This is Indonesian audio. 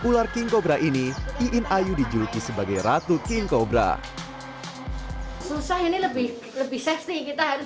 ular king cobra ini iin ayu dijuluki sebagai ratu king cobra susah ini lebih lebih seksi kita harus